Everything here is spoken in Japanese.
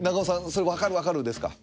それ分かる分かるですか？